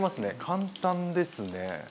簡単ですね。